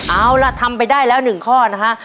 เอาล่ะทำไปได้แล้ว๑ข้อนะฮะ